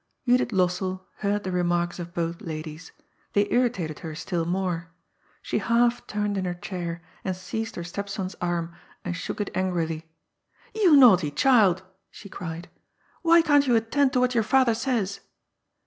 Judith Lossell heard the remarks of both ladies. They irritated her still more. She half turned in her chair, and seized her stepson's arm and shook it angrily. "You naughty child !" she cried. " Why can't you attend to what your father says